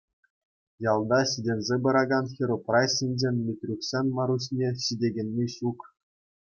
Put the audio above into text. Ялта ҫитӗнсе пыракан хӗрупраҫсенчен Митрюксен Маруҫне ҫитекенни ҫук.